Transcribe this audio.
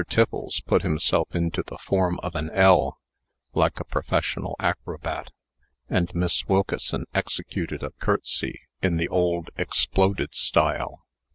Tiffles put himself into the form of an L, like a professional acrobat; and Miss Wilkeson executed a courtesy in the old, exploded style.